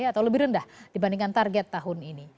atau lebih rendah dibandingkan target tahun ini